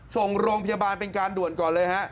ส่งโรงพยาบาลเป็นการด่วนก่อนเลยฮะ